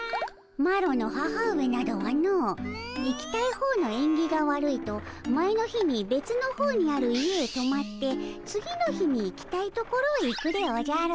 マロの母上などはの行きたい方のえんぎが悪いと前の日にべつの方にある家へとまって次の日に行きたいところへ行くでおじゃる。